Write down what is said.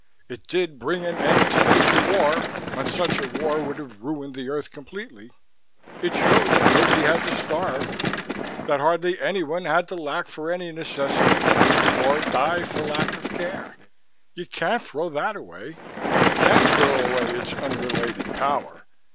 It did bring an end to major war, when such a war would have ruined the Earth completely. It showed that nobody had to starve that hardly anyone had to lack for any necessity, or die for lack of care. You can't throw that away." "You can throw away its unrelated power."